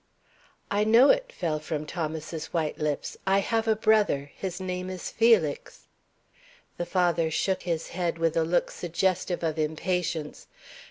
"I know it," fell from Thomas's white lips. "I have a brother; his name is Felix." The father shook his head with a look suggestive of impatience.